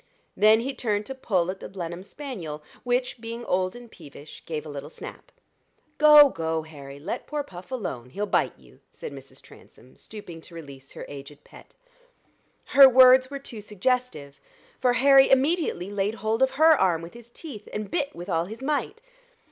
Then he turned to pull at the Blenheim spaniel, which, being old and peevish, gave a little snap. "Go, go, Harry; let poor Puff alone he'll bite you," said Mrs. Transome, stooping to release her aged pet. Her words were too suggestive, for Harry immediately laid hold of her arm with his teeth, and bit with all his might.